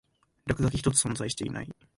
落書き一つ存在していない